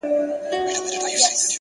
کوښښ د استعداد کمښت پوره کوي,